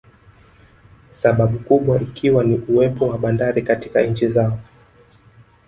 Sababu kubwa ikiwa ni uwepo wa bandari katika nchi zao